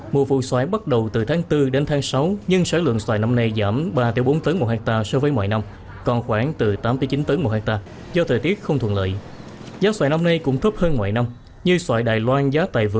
mùa phụ xoài bắt đầu từ tháng bốn đến tháng sáu nhưng số lượng xoài năm nay giảm ba bốn tấn một ha so với mọi năm còn khoảng từ tám chín tấn một ha do thời tiết không thuận lợi